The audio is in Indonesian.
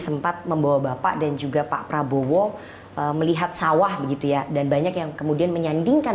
sempat membawa bapak dan juga pak prabowo melihat sawah begitu ya dan banyak yang kemudian menyandingkan